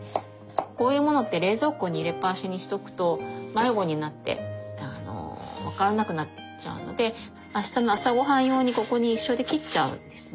こういうものって冷蔵庫に入れっぱなしにしとくと迷子になって分からなくなっちゃうのであしたの朝ごはん用にここに一緒で切っちゃうんですね。